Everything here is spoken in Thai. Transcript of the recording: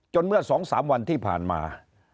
จนเมื่อสองสามวันที่ผ่านมา